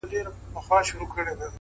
ژور لید کوچنۍ تېروتنې کموي’